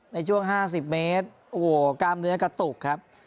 ในช่วง๕๐เมตรโอ้โหกล้ามเนื้อกระตุกครับ